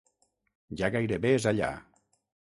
Ja gairebé és allà.